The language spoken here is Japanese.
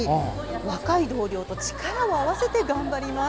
若い同僚と力を合わせて頑張ります。